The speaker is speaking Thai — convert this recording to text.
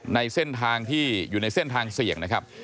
ในเส้นทางที่อยู่ในเส้นทางเสี่ยงนะครับ